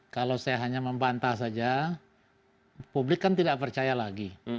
kalau saya hanya membantah saja publik kan tidak percaya lagi